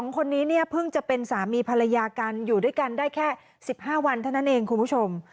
๒คนนี้เนี่ยเพิ่งจะเป็นสามีภรรยากันอยู่ด้วยกันได้แค่๑๕วันเท่านั้นเองคุณผู้ชม